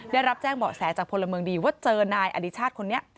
และรับแจ้งบอกแสของพลมเมิงดีว่าเจอนายอัดิชาติคนนี้